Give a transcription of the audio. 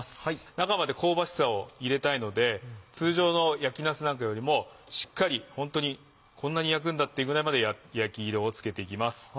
中まで香ばしさを入れたいので通常の焼きなすなんかよりもしっかりホントにこんなに焼くんだっていうぐらいまで焼き色をつけていきます。